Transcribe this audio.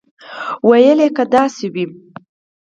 ویل یې که داسې وي.